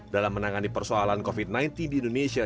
dalam menangani persoalan covid sembilan belas di indonesia